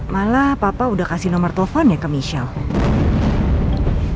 malah papa udah kasih nomor teleponnya ke michelle